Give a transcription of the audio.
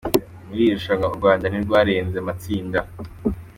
Muri iri rushanwa u Rwanda ntirwarenze amatsinda.